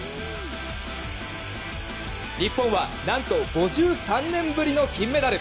日本は何と５３年ぶりの金メダル。